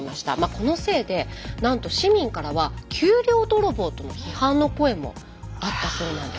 このせいでなんと市民からは給料泥棒との批判の声もあったそうなんです。